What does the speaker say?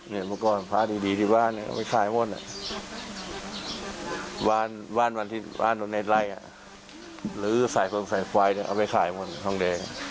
เนี่ยเมื่อก่อนพรุนภาคดีติบ้านเนี่ยจะไปคลายหมด